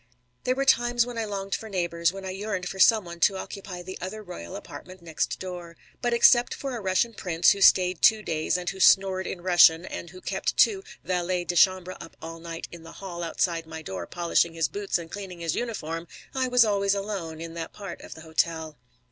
There were times when I longed for neighbours, when I yearned for some one to occupy the other royal apartment next door. But except for a Russian prince who stayed two days, and who snored in Russian and kept two valets de chambre up all night in the hall outside my door polishing his boots and cleaning his uniform, I was always alone in that part of the hotel.